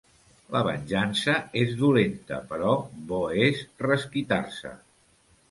La venjança és dolenta, però bo és resquitar-se.